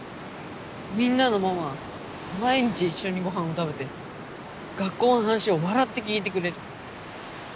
みんなのママは毎日一緒にごはんを食べて学校の話を笑って聞いてくれる。